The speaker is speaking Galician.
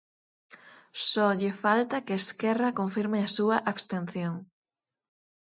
Só lle falta que Esquerra confirme a súa abstención.